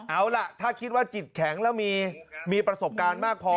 เอาล่ะถ้าคิดว่าจิตแข็งแล้วมีประสบการณ์มากพอ